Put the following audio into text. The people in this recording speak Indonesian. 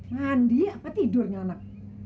mandi apa tidurnya anak